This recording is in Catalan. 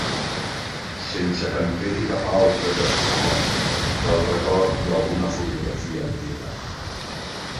sense que en quedi cap altre testimoni que el record i alguna fotografia antiga